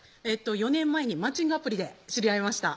４年前にマッチングアプリで知り合いました